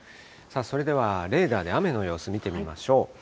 それではレーダーで雨の様子見てみましょう。